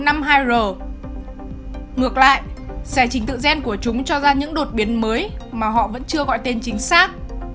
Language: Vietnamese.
ngược lại xe trình tự gen của chúng cho ra những đột biến mới mà họ vẫn chưa gọi tên chính xác